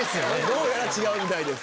どうやら違うみたいです。